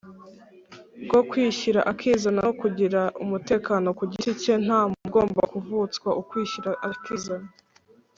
bwo kwishyira akizana no kugira umutekano ku giti cye Nta muntu ugomba kuvutswa ukwishyira akizana